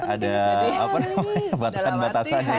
ada apa namanya batasan batasannya